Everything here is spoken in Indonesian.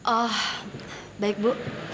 oh baik bu